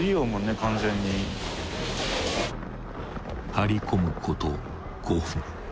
［張り込むこと５分］